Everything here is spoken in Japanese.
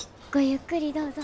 ゆっくりどうぞ。